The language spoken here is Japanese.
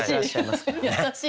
優しい。